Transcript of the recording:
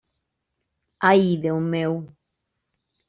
Ai, Déu meu!